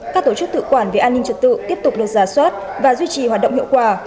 các tổ chức tự quản về an ninh trật tự tiếp tục được giả soát và duy trì hoạt động hiệu quả